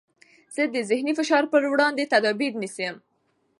زه د ذهني فشار پر وړاندې تدابیر نیسم.